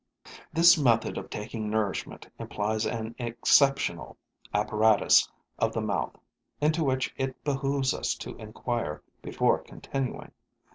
This method of taking nourishment implies an exceptional apparatus of the mouth, into which it behooves us to inquire before continuing.